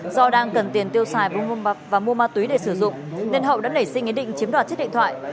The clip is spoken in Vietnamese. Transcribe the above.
do đang cần tiền tiêu xài và mua ma túy để sử dụng nên hậu đã nảy sinh ý định chiếm đoạt chiếc điện thoại